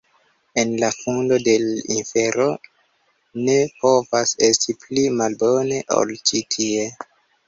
En la fundo de l' infero ne povas esti pli malbone, ol ĉi tie.